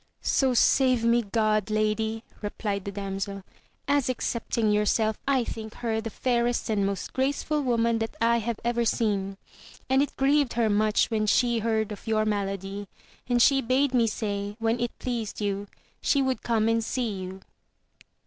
So save me God, lady, replied the damsel, as excepting yourself, I think her the fairest and most graceful woman that I have ever seen. And it grieved her much when she heard of your malady, and she bade me say, when it pleased you, she would come and see you.